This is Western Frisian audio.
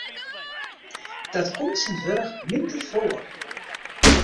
Dat komt tsjintwurdich minder foar.